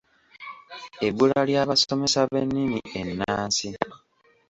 Ebbula ly’abasomesa b’ennimi ennansi.